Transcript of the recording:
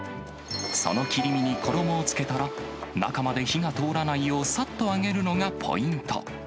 その切り身に衣をつけたら、中まで火が通らないよう、さっと揚げるのがポイント。